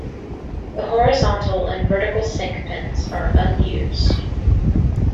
The horizontal and vertical sync pins are unused.